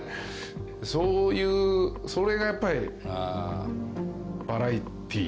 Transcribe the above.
そういうそれがやっぱりバラエティ。